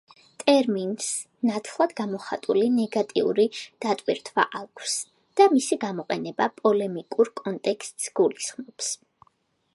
ტერმინს ნათლად გამოხატული ნეგატიური დატვირთვა აქვს და მისი გამოყენება პოლემიკურ კონტექსტს გულისხმობს.